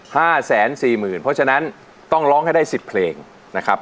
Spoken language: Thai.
๕๔๐๐๐๐เพราะฉะนั้นต้องร้องให้ได้๑๐เพลงนะครับ